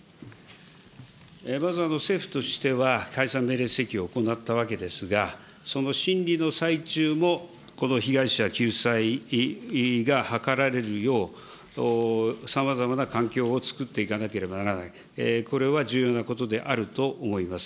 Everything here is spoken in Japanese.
まず、政府としては解散命令請求を行ったわけですが、その審理の最中もこの被害者救済がはかられるよう、さまざまな環境を作っていかなければならない、これは重要なことであると思います。